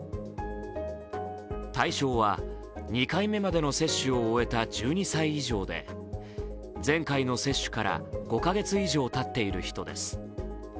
対象は２回目までの接種を終えた１２歳以上で、前回の接種から５か月以上たっている人です。